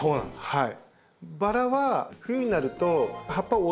はい。